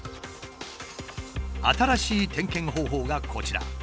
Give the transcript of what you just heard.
新しい点検方法がこちら。